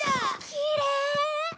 きれい！